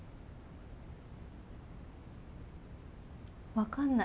分かんない。